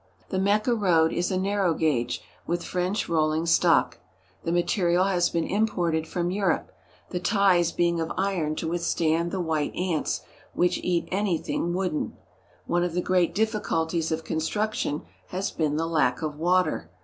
The Mecca road is a narrow gauge with French rolling stock. The material has been imported from Europe, the ties being of iron to withstand the white ants, which eat anything wooden. One of the great difficulties of construction has been the lack of water.